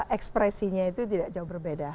ekspresinya itu tidak jauh berbeda